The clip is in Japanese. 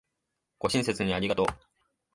ご親切にありがとう